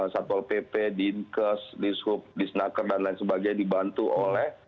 satpol pp dinkes dishub disnaker dan lain sebagainya dibantu oleh